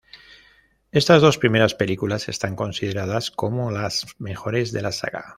Estas dos primeras películas están consideradas como las mejores de la saga.